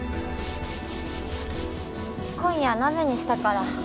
今夜鍋にしたから。